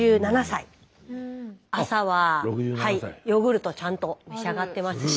朝はヨーグルトちゃんと召し上がってますし。